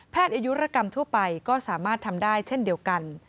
อายุรกรรมทั่วไปก็สามารถทำได้เช่นเดียวกัน